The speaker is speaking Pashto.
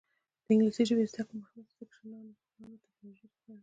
د انګلیسي ژبې زده کړه مهمه ده ځکه چې نانوټیکنالوژي پوهوي.